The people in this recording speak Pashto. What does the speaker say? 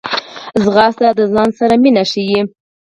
ځغاسته د ځان سره مینه ښيي